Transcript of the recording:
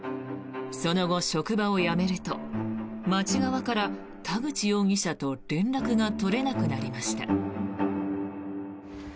その後、職場を辞めると町側から田口容疑者と連絡が取れなくなりました。